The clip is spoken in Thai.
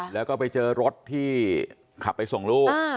แล้วก็ไปเจอรถที่ขับไปส่งลูก